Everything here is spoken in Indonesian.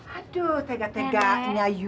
aduh tegak tegaknya yu